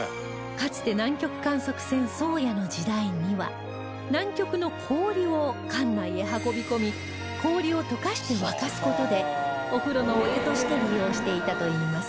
かつて南極観測船「宗谷」の時代には南極の氷を艦内へ運び込み氷を溶かして沸かす事でお風呂のお湯として利用していたといいます